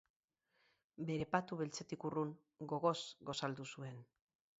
Bere patu beltzetik urrun, gogoz gosaldu zuen.